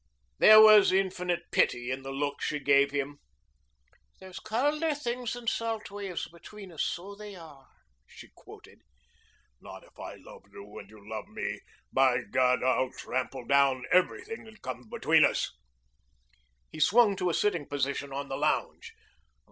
There was infinite pity in the look she gave him. "'There's caulder things than salt waves between us, so they are,'" she quoted. "Not if I love you and you love me. By God, I trample down everything that comes between us." He swung to a sitting position on the lounge.